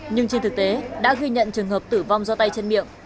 nhưng trên thực tế đã ghi nhận trường hợp tử vong do tay chân miệng